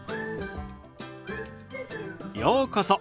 ようこそ。